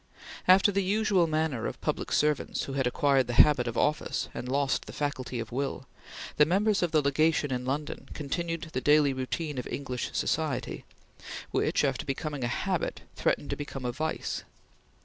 After the usual manner of public servants who had acquired the habit of office and lost the faculty of will, the members of the Legation in London continued the daily routine of English society, which, after becoming a habit, threatened to become a vice.